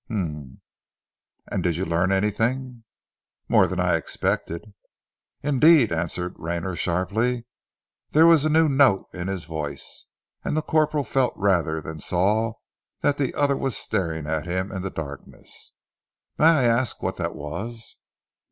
"Um! And did you learn anything?" "More than I expected." "Indeed!" answered Rayner sharply. There was a new note in his voice, and the corporal felt rather than saw that the other was staring at him in the darkness. "May I ask what that was?"